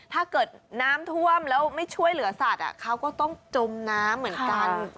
ถ้าเกิดน้ำท่วมแล้วไม่ช่วยเหลือสัตว์เขาก็ต้องจมน้ำเหมือนกัน